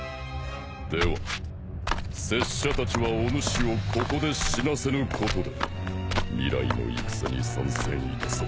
では拙者たちはおぬしをここで死なせぬことで未来の戦に参戦いたそう。